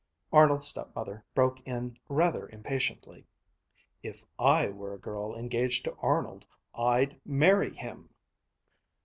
Arnold's stepmother broke in rather impatiently, "If I were a girl engaged to Arnold, I'd marry him!"